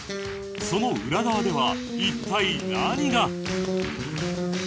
その裏側では一体何が？